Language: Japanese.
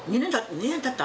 ２年たった？